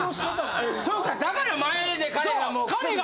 そっかだから前で彼が。